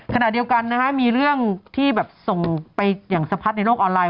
ขณะเดียวกันนะฮะมีเรื่องที่แบบส่งไปอย่างสะพัดในโลกออนไลน